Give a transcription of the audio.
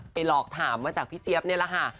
หลอกถามมาจากพี่เจี๊ยบนี่แหละค่ะ